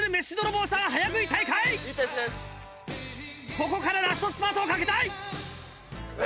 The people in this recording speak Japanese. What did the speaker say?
ここからラストスパートをかけたい！ウゥ！